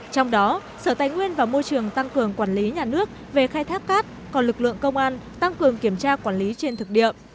trong đó sở tài nguyên và môi trường tăng cường quản lý nhà nước về khai thác cát còn lực lượng công an tăng cường kiểm tra quản lý trên thực địa